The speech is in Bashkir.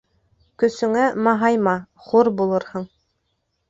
Көсөңә маһайма, хур булырһың.